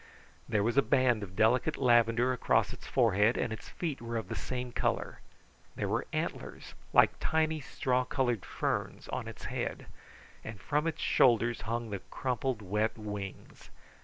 There was a band of delicate lavender across its forehead, and its feet were of the same colour; there were antlers, like tiny, straw colored ferns, on its head, and from its shoulders hung the crumpled wet wings.